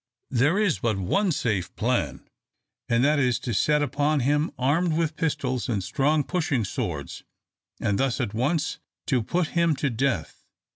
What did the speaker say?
There is but one safe plan, and that is to set upon him armed with pistols and strong pushing swords, and thus at once to put him to death.